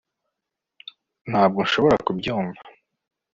ntabwo nshobora kubyumva